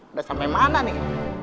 udah sampe mana nih